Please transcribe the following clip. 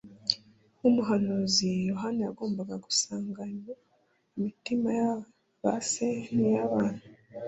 Nk’umuhanuzi, Yohana yagombaga “gusanganya imitima ya ba se n’iy’abana,